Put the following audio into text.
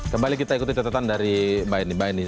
kembali kita ikuti datetan dari mbak ini